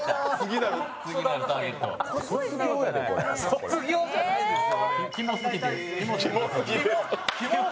卒業じゃないですよ。